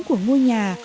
của ngôi nhà